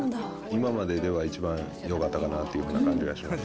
今まででは一番よかったかなっていう感じがします。